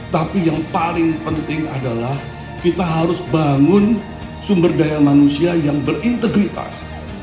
tapi yang paling penting adalah kita harus bangun sumber daya manusia yang berintegritas